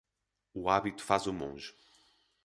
O hábito faz o monge